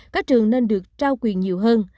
các trường nên được trao quyền nhiều hơn